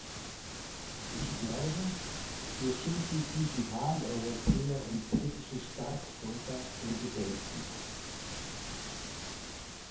Ich glaube, wir schulden diesem Wahleuropäer und britischen Staatsbürger ein Gedenken.